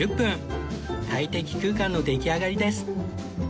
快適空間の出来上がりです